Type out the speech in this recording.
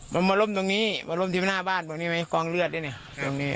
มันมาล่มตรงนี้มาร่มที่หน้าบ้านตรงนี้ไหมกองเลือดนี่เนี่ยตรงนี้